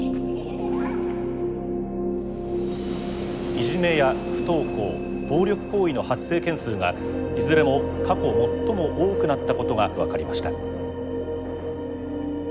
いじめや不登校暴力行為の発生件数がいずれも過去最も多くなったことが分かりました。